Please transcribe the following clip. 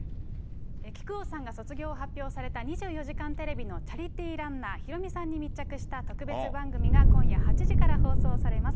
木久扇さんが卒業を発表された２４時間テレビのチャリティーランナー、ヒロミさんに密着した特別番組が、今夜８時から放送されます。